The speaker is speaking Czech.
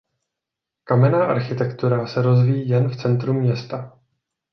Kamenná architektura se rozvíjí jen v centru města.